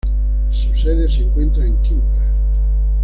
Su sede se encuentra en Quimper.